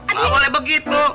nggak boleh begitu